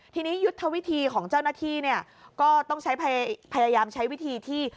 ทีนี้ยุทธวิธีของเจ้าหน้าที่เนี่ยก็ต้องใช้พยายามใช้วิธีที่